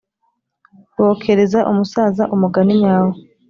bokereza umusaza umugani nyawo